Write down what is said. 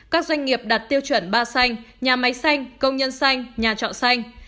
các doanh nghiệp đặt tiêu chuẩn ba xanh nhà máy xanh công nhân xanh nhà trọ xanh